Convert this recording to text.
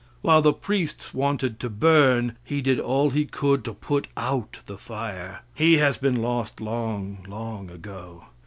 While the priests wanted to burn, he did all he could to put out the fire he has been lost long, long ago.